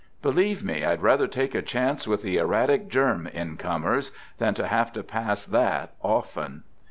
Believe me, I'd rather take a chance with the erratic " Germ " incomers than to have to pass that often.